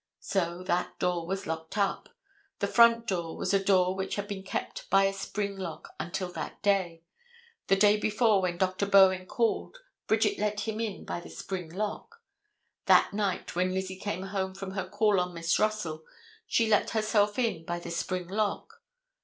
So that door was locked up. The front door was a door which had been kept by a spring lock until that day. The day before, when Dr. Bowen called, Bridget let him in by the spring lock. That night, when Lizzie came home from her call on Miss Russell, she let herself in by the spring lock.